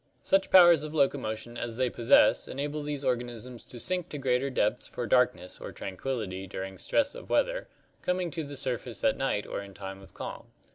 Such powers of loco motion as they possess enable these organisms to sink to greater depths for darkness or tranquillity during stress of weather, coming to the surface at night or in time of calm.